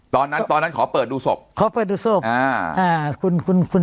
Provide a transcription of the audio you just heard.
ตอนนั้นตอนนั้นขอเปิดดูศพขอเปิดดูศพอ่าอ่าคุณคุณ